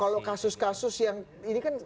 kalau kasus kasus yang ini kan